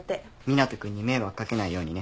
湊斗君に迷惑かけないようにね。